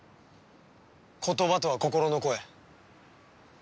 言葉とは心の声。